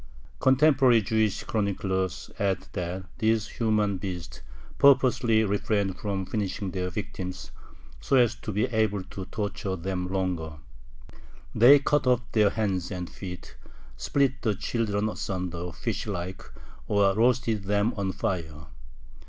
Contemporary Jewish chroniclers add that these human beasts purposely refrained from finishing their victims, so as to be able to torture them longer. They cut off their hands and feet, split the children asunder, "fish like," or roasted them on fire.